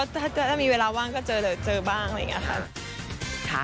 ถ้ามีเวลาว่างก็เจอบ้างอะไรอย่างนี้ค่ะ